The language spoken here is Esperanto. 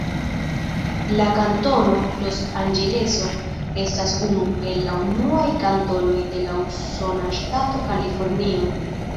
La kantono Los-Anĝeleso estas unu el la unuaj kantonoj de la usona ŝtato Kalifornio.